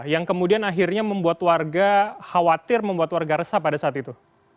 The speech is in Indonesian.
yang kemudian akhirnya membuat warga khawatir membuat warga resah pada saat itu